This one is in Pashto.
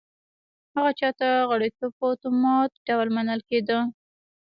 هغه چا غړیتوب په اتومات ډول منل کېده